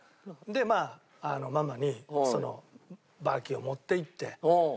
でママにそのバーキンを持っていって。